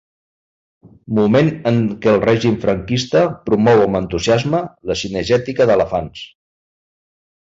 Moment en què el règim franquista promou amb entusiasme la cinegètica d'elefants.